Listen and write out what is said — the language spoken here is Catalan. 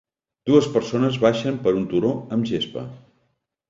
Dues persones baixen per un turó amb gespa